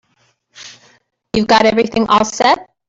You've got everything all set?